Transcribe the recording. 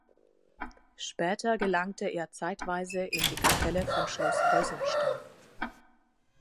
Später gelangte er zeitweise in die Kapelle von Schloss Heusenstamm.